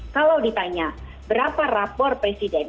kalau ditanya berapa rapor presiden